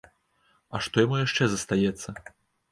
А што яму яшчэ застаецца?